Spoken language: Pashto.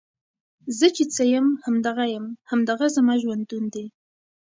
زۀ چې څۀ يم هم دغه يم، هـــم دغه زمـا ژونـد ون دی